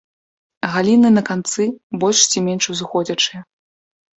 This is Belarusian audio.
Галіны на канцы больш ці менш узыходзячыя.